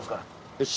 よし。